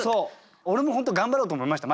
俺も本当頑張ろうと思いました。